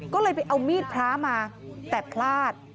ก็เลยไปเอามีดพระมาแต่พลาด